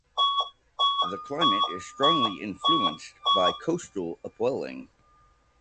The climate is strongly influenced by coastal upwelling.